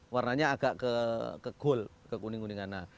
warnanya agak ke goal ke kuning kuningan